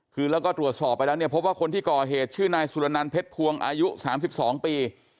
คือแล้วก็ตรวจสอบไปแล้วเนี่ยพบว่าคนที่ก่อเหตุชื่อนายสุรนันเพชรพวงอายุ๓๒ปี